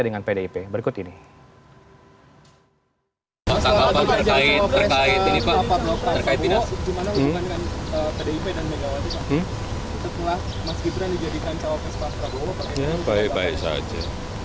hari ini mau ketemu pak mahfud ya